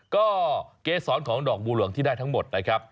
ก็เกษรของดอกบัวหลวงที่ได้ทั้งหมดนะครับ